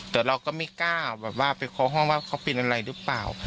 แต่เราก็ไม่กล้าไปคอห้องว่าเขาปิดอะไรหรือเปล่า